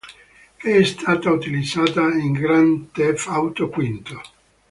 È stata utilizzata in Grand Theft Auto V